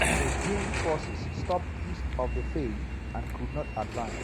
The Jin forces stopped east of the Fei and could not advance.